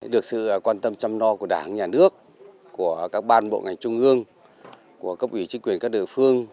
được sự quan tâm chăm lo của đảng nhà nước của các ban bộ ngành trung ương của cấp ủy chính quyền các địa phương